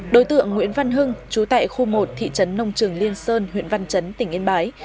đối tượng nguyễn văn hưng chú tại khu một thị trấn nông trường liên sơn huyện văn chấn tỉnh yên bái